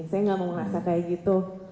saya nggak mau merasa kayak gitu